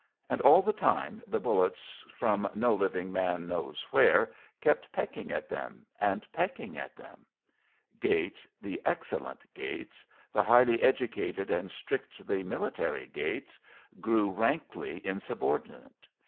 And all the time the bullets from no living man knows where kept pecking at them and pecking at them. Gates, the excellent Gates, the highly educated and strictly military Gates, grew rankly insubordinate.